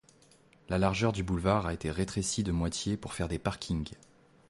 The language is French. La largeur du boulevard a été rétrécie de moitié pour faire des parkings.